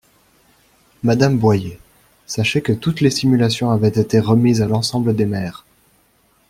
Madame Boyer, sachez que toutes les simulations avaient été remises à l’ensemble des maires.